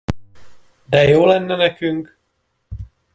De jó lenne nekünk!